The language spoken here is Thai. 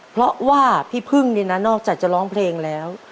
เพราะว่าพี่พึ่งเนี่ยนะนอกจากจะร้องเพลงแล้ว